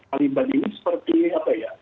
al qaeda ini seperti apa ya